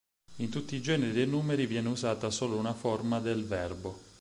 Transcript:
In tutti i generi e numeri viene usata solo una forma del verbo.